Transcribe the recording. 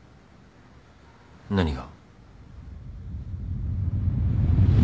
何が？